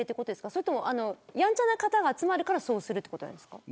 それともやんちゃな方が集まるからそうなるんですか。